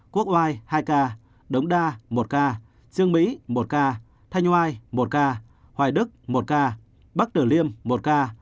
quốc oai hai ca đống đa một ca dương mỹ một ca thanh oai một ca hoài đức một ca bắc tử liêm một ca